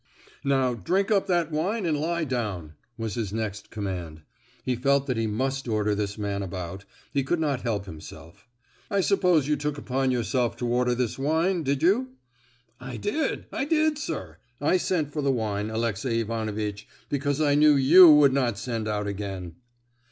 "Now, drink up that wine and lie down!" was his next command. He felt that he must order this man about, he could not help himself. "I suppose you took upon yourself to order this wine, did you?" "I did—I did, sir! I sent for the wine, Alexey Ivanovitch, because I knew you would not send out again!"